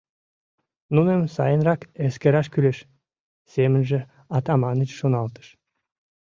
«Нуным сайынрак эскераш кӱлеш!» — семынже Атаманыч шоналтыш.